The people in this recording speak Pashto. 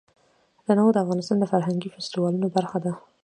تنوع د افغانستان د فرهنګي فستیوالونو برخه ده.